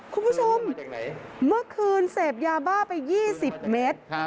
คุณผู้ชมเมื่อคืนเสพยาบ้าไป๒๐เมตร